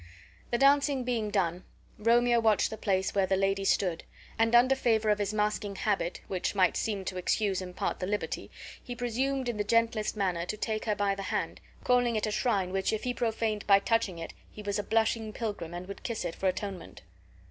The dancing being done, Romeo watched the place where the lady stood; and under favor of his masking habit, which might seem to excuse in part the liberty, he presumed in the gentlest manner to take her by the hand, calling it a shrine, which if he profaned by touching it, he was a blushing pilgrim and would kiss it for atonement.